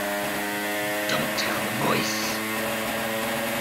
Don't tell the boys!